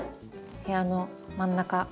部屋の真ん中。